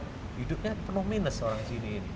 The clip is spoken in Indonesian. hidupnya penuh minus orang sini